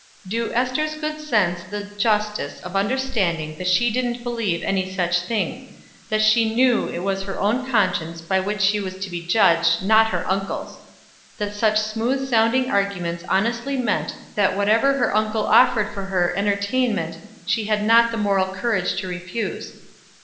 Do Ester's good sense the justice of understanding that she didn't believe any such thing; that she knew it was her own conscience by which she was to be judged, not her uncle's; that such smooth sounding arguments honestly meant that whatever her uncle offered for her entertainment she had not the moral courage to refuse.